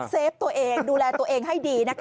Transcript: เฟฟตัวเองดูแลตัวเองให้ดีนะคะ